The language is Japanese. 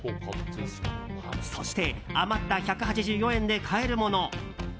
そして、余った１８４円で買えるもの。